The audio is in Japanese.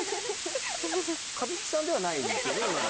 神木さんではないんですよね？